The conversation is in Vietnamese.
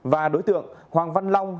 và đối tượng hoàng văn long